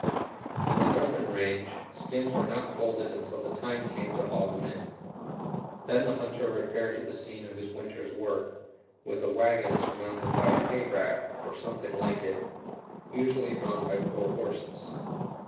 On the northern range, skins were not folded until the time came to haul them in. Then the hunter repaired to the scene of his winter's work, with a wagon surmounted by a hay rack (or something like it), usually drawn by four horses.